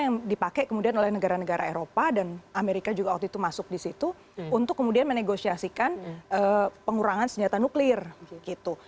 yang dipakai kemudian oleh negara negara eropa dan amerika juga waktu itu masuk di situ untuk kemudian menegosiasikan pengurangan senjata nuklir gitu